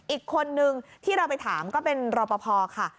อีกคนนึงที่เราไปถามก็เป็นรอปภค่ะ